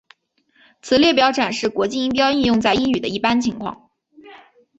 此列表展示国际音标应用在英语的一般情况。